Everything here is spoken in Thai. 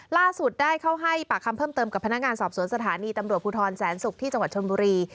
ล่าสุดได้เข้าให้ปากคำเพิ่มเติมกับพนักงานสอบสวนสถานีตำรวจภูทรแสนศุกร์ที่จังหวัดชนบุรี